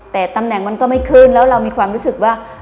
แต่ตำแหน่งมันก็ไม่ขึ้นแล้วเรามีความรู้สึกว่า